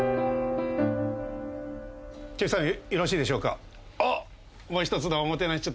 長州さんよろしいでしょうか？